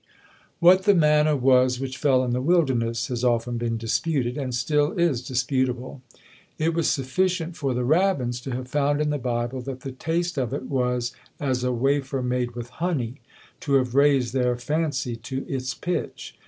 What the manna was which fell in the wilderness, has often been disputed, and still is disputable; it was sufficient for the rabbins to have found in the Bible that the taste of it was "as a wafer made with honey," to have raised their fancy to its pitch.